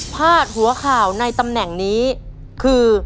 พาดหัวข่าวในตำแหน่งนี้คือ